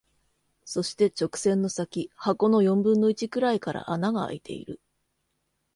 そして、直線の先、箱の四分の一くらいから穴が空いている。